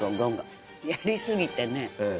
やり過ぎてね